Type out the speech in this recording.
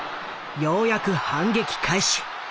ようやく反撃開始。